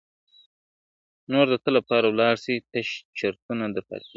نور د تل لپاره ولاړ سي تش چرتونه در پاتیږي `